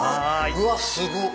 うわすごっ！